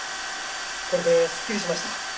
これですっきりしました。